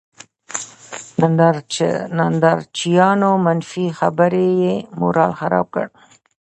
نندارچيانو، منفي خبرې یې مورال خراب کړ.